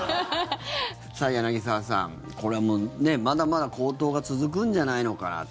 柳澤さん、これはまだまだ高騰が続くんじゃないのかって。